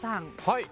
はい。